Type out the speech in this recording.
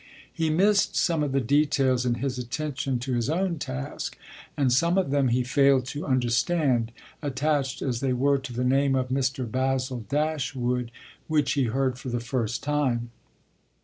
He missed some of the details in his attention to his own task, and some of them he failed to understand, attached as they were to the name of Mr. Basil Dashwood, which he heard for the first time.